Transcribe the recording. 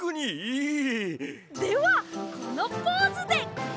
ではこのポーズで！